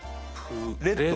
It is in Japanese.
レッド？